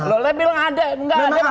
lu lebih bilang ada